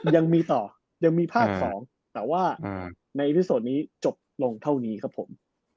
ยังมีต่อยังมีภาค๒แต่ว่าในที่สุดนี้จบลงเท่านี้ครับผม